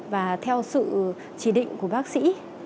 và theo sự chỉ định của bác sĩ